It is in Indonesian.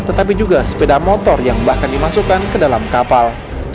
tetapi juga sepeda motor yang bahkan dimasukkan ke dalam kapal